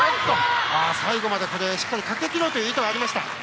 最後までしっかりかけきろうという意図はありました。